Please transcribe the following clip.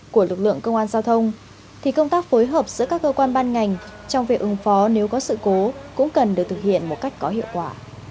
công tác phối hợp giữa các cơ quan ban ngành trong việc ứng phó nếu có sự cố cũng cần được thực hiện một cách có hiệu quả